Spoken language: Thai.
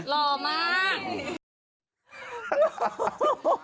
หล่อมาก